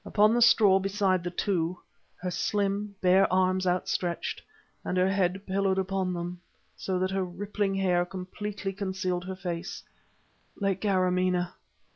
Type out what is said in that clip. Upon the straw beside the two, her slim, bare arms outstretched and her head pillowed upon them, so that her rippling hair completely concealed her face, lay Kâramaneh....